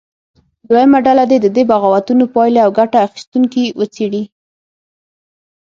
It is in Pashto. دویمه ډله دې د دې بغاوتونو پایلې او ګټه اخیستونکي وڅېړي.